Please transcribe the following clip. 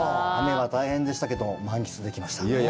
大変でしたけども、満喫できました。